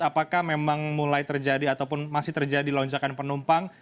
apakah memang mulai terjadi ataupun masih terjadi lonjakan penumpang